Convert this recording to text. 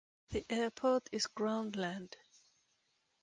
The airport is Crown Land.